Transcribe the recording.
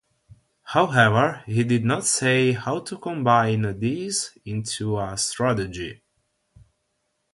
However, he did not say how to combine these into a strategy.